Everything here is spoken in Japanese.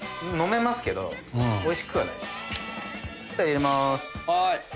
飲めますけどおいしくはない。